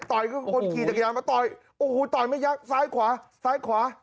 คนขี่จักรยานมาต่อยโอ้โหต่อยไม่ยักษ์ซ้ายขวาซ้ายขวา